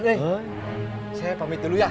saya pamit dulu ya